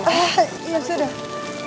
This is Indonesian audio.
ah ya sudah